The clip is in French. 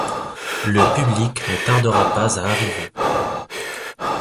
Le public ne tardera pas à arriver.